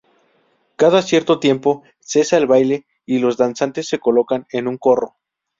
Cada cierto tiempo, cesa el baile y los danzantes se colocan en un corro.